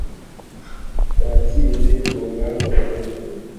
twatsinzwe ku rugamba pe